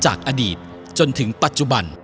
จากอดีตจนถึงปัจจุบัน